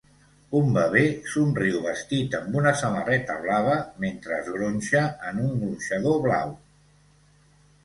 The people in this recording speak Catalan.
Un bebè somriu vestit amb una samarreta blava mentre es gronxa en un gronxador blau